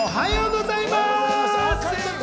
おはようございます。